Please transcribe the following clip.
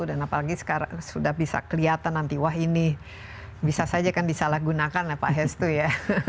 dan apalagi sekarang sudah bisa kelihatan nanti wah ini bisa saja kan disalahgunakan pak hestu ya